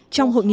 trong hội nghị